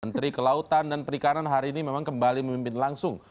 menteri kelautan dan perikanan hari ini memang kembali memimpin langsung